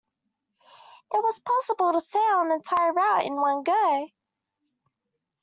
It was possible to sail the entire route in one go.